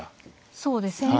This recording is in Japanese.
そうですね。